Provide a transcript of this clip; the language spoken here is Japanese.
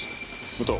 武藤